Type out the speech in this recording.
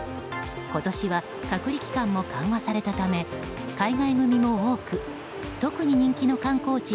今年は隔離期間も緩和されたため海外組も多く特に人気の観光地